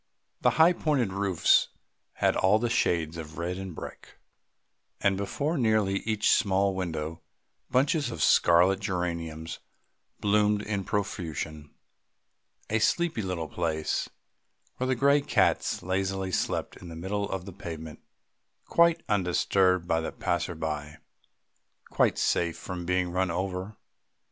The high pointed roofs had all the shades of red and brick, and before nearly each small window bunches of scarlet geraniums bloomed in profusion, a sleepy little place, where the grey cats lazily slept in the middle of the pavement quite undisturbed by any passer by, quite safe from being run over.